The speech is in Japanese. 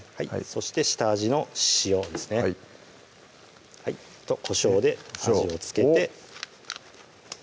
そして下味の塩ですねとこしょうで味を付けておっ